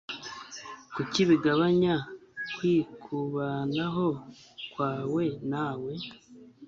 kuko bigabanya kwikubanaho.kwawe nawe